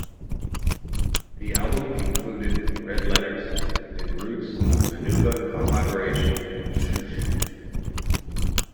The album included "Red Letters" and Roots Manuva collaboration, "Shhhoosh".